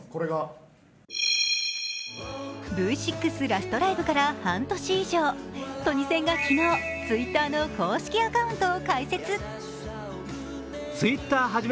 Ｖ６ラストライブから半年以上、トニセンが昨日、Ｔｗｉｔｔｅｒの公式アカウントを開設。